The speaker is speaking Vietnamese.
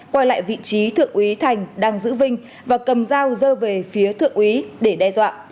quay lại vị trí thượng úy thành đang giữ vinh và cầm dao dơ về phía thượng úy để đe dọa